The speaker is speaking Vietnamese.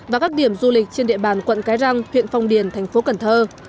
và các điểm du lịch trên địa bàn quận cái răng huyện phong điền thành phố cần thơ